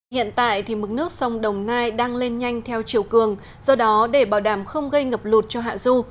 hiện tại mực nước sông đồng nai đang lên nhanh theo chiều cường do đó để bảo đảm không gây ngập lụt cho hạ du